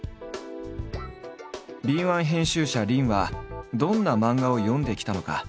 敏腕編集者林はどんな漫画を読んできたのか。